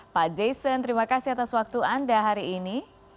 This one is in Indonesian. pak jason terima kasih atas waktu anda hari ini